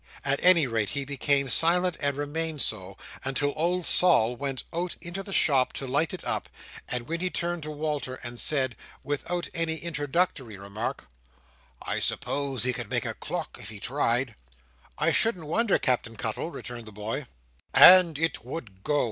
At any rate he became silent, and remained so, until old Sol went out into the shop to light it up, when he turned to Walter, and said, without any introductory remark:— "I suppose he could make a clock if he tried?" "I shouldn't wonder, Captain Cuttle," returned the boy. "And it would go!"